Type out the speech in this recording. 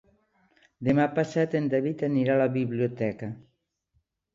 Demà passat en David anirà a la biblioteca.